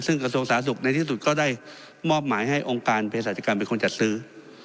ซึ่งกระทรวงสาธารณสุขในที่สุดก็ได้มอบหมายให้องค์การเพศาจกรรมเป็นคนจัดซื้อ